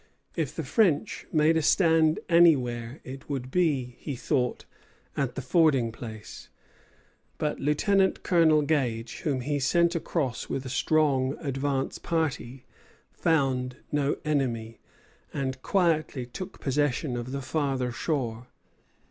If the French made a stand anywhere, it would be, he thought, at the fording place; but Lieutenant Colonel Gage, whom he sent across with a strong advance party, found no enemy, and quietly took possession of the farther shore.